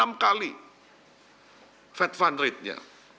ini adalah fed fund rate nya